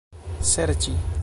serĉi